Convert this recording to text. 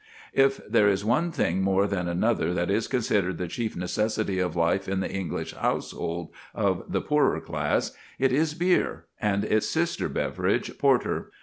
If there is one thing more than another that is considered the chief necessity of life in the English household of the poorer class, it is beer, and its sister beverage, porter.